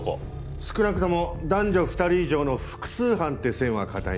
少なくとも男女２人以上の複数犯って線は堅いな。